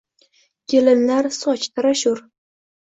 Kelinlar soch tarashur;